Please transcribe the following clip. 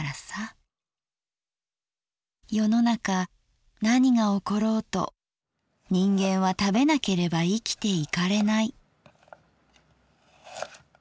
世の中何が起ころうと人間は食べなければ生きていかれない」。